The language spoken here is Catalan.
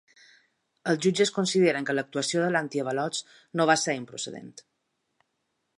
Els jutges consideren que l’actuació de l’antiavalots no va ser improcedent.